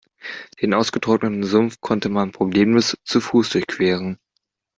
Den ausgetrockneten Sumpf konnte man problemlos zu Fuß durchqueren.